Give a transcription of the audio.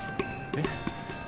えっ？